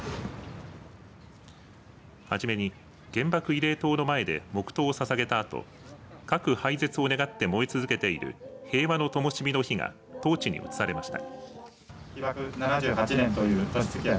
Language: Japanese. はじめに原爆慰霊塔の前で黙とうをささげあったあと核廃絶を願って燃え続けている平和の灯の火がトーチに移されました。